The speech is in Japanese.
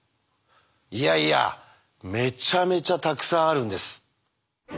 いやいやめちゃめちゃたくさんあるんです。